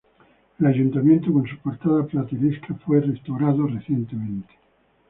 El Ayuntamiento con su portada plateresca, fue restaurado recientemente.